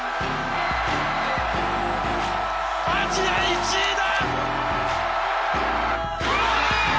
アジア１位だ！